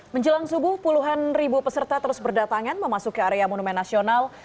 menjelang subuh puluhan ribu peserta terus berdatangan memasuki area monumen nasional